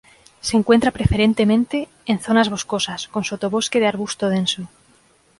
Se encuentra preferentemente en zonas boscosas, con sotobosque de arbusto denso.